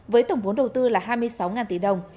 với tổng vốn đầu tư là hai mươi sáu tỷ đồng